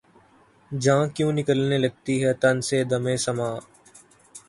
جاں کیوں نکلنے لگتی ہے تن سے‘ دمِ سماع